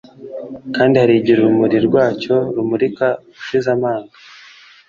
kandi hari igihe urumuri rwacyo rumurika ushize amanga